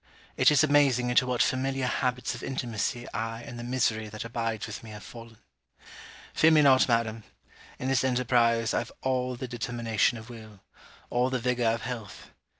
It is amazing into what familiar habits of intimacy I and the misery that abides with me have fallen. Fear me not, madam. In this enterprise, I have all the determination of will all the vigour of health.